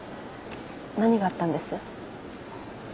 何があったんです？